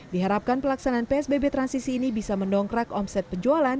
diharapkan pelaksanaan psbb transisi ini bisa mendongkrak omset penjualan